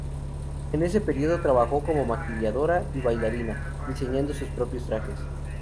En ese período trabajó como maquilladora y bailarina, diseñando sus propios trajes.